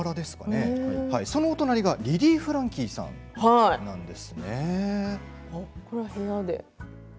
そのお隣がリリー・フランキーさんこれは部屋で。